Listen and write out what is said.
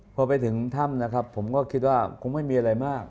พอไปถึงถ้ำนะครับผมก็คิดว่าคงไม่มีอะไรมาก